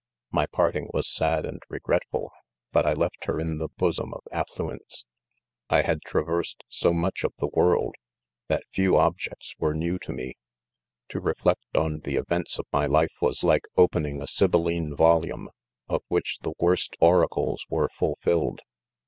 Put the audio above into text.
My parting was sad and regretful, but I left her in the bosom of af fluence. " 1 had traversed so much of the world, that objects were new to me* ■ To reflect on IC W the events of my life, was like opening a Sibyl line volume, of which the worst oracles were fulfilled.